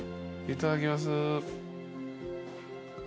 いただきます。